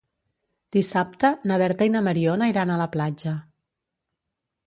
Dissabte na Berta i na Mariona iran a la platja.